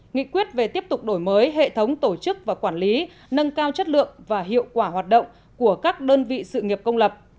nghị quyết về tiếp tục đổi mới hệ thống tổ chức và quản lý nâng cao chất lượng và hiệu quả hoạt động của các đơn vị sự nghiệp công lập